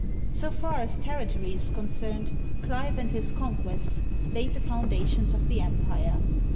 So far as territory is concerned, Clive and his conquests laid the foundations of the empire.